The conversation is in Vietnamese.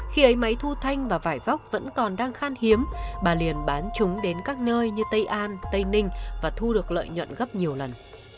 khi ấy máy thu thanh và vải vóc vẫn còn đang khan hiếm bà liền bán chúng đến các nơi như tây an tây ninh và thu được lợi nhuận gấp nhiều lần